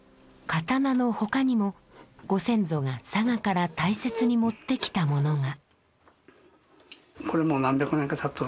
刀の他にもご先祖が佐賀から大切に持ってきたものが。